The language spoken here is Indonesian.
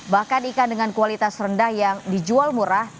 bahkan ikan dengan kualitas rendah yang dijual murah